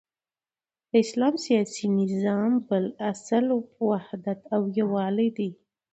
د اسلام سیاسی نظام بل اصل وحدت او یوالی دی،